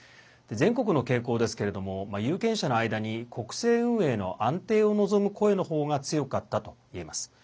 全国の傾向ですけれども有権者の間に国政運営の安定を望む声のほうが強かったといえます。